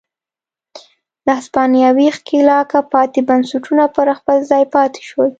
له هسپانوي ښکېلاکه پاتې بنسټونه پر خپل ځای پاتې شول.